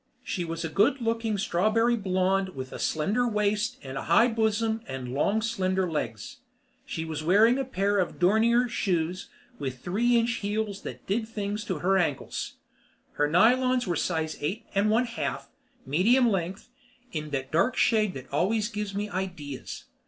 She was a good looking strawberry blonde with a slender waist and a high bosom and long, slender legs. She was wearing a pair of Dornier shoes with three inch heels that did things to her ankles. Her nylons were size eight and one half, medium length, in that dark shade that always gives me ideas.